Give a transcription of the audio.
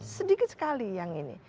sedikit sekali yang ini